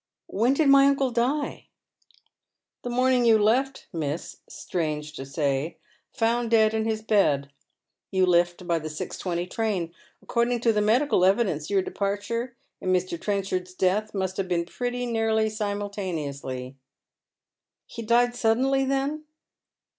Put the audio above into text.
" When did my uncle die ?"" The morning you left, miss, strange to say. Found dead in his bed. You left by the 6.20 train. According to the medical evidence your departure and Mr. Trenchard's death must have been pretty nearly simultaneous." " He died suddenly, then